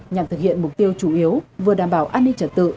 nhằm thực hiện mục tiêu chủ yếu vừa đảm bảo an ninh trật tự